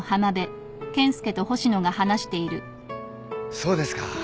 そうですか。